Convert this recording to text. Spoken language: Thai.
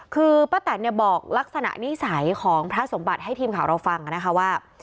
คือป้าแตนเนี่ยบอกลักษณะนิสัยของพระสมบัติให้ทีมข่าวเราฟังนะคะว่า